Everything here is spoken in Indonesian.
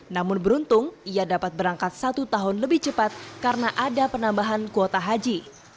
namun beruntung ia dapat berangkat satu tahun lebih cepat karena ada penambahan kuota haji